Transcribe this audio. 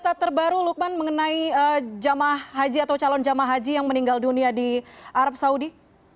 data terbaru lukman mengenai jemaah haji atau calon jamaah haji yang meninggal dunia di arab saudi